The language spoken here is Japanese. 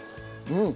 うん。